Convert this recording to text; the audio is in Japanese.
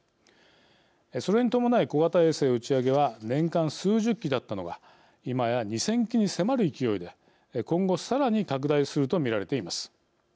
それに伴い小型衛星打ち上げは年間数十機だったのが今や２０００機に迫る勢いで今後さらに拡大すると見られています。